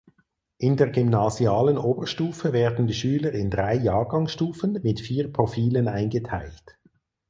In der gymnasialen Oberstufe werden die Schüler in drei Jahrgangsstufen mit vier Profilen eingeteilt.